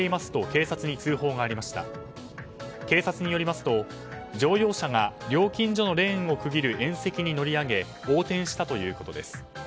警察によりますと乗用車が料金所のレーンを区切る縁石に乗り上げ横転したということです。